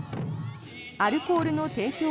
アルコールの提供